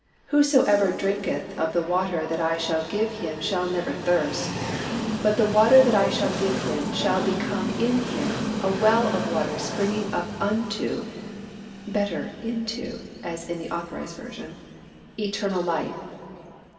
"Whosoever drinketh of the water that I shall give him shall never thirst; but the water that I shall give him shall become in him a well of water springing up unto (better 'into' as in A. V.) eternal life."